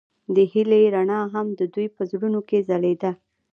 د هیلې رڼا هم د دوی په زړونو کې ځلېده.